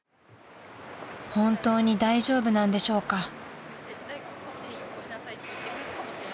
［本当に大丈夫なんでしょうか？］